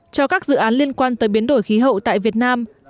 cho các dự án liên quan tới biến đổi khí hậu tại việt nam